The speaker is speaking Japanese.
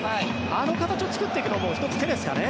あの形を作っていくのも１つ、手ですかね。